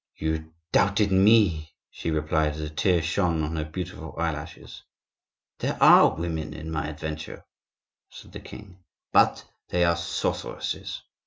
"You doubted me," she replied, as a tear shone on her beautiful eyelashes. "There are women in my adventure," said the king; "but they are sorceresses.